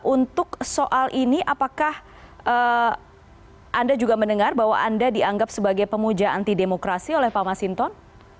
untuk soal ini apakah anda juga mendengar bahwa anda dianggap sebagai pemuja anti demokrasi oleh pak masinton